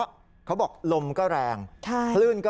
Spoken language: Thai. ว่าเหตุใดเรือมาถึงเฉแล้วก็เสียหลักมาแบบนี้นะครับ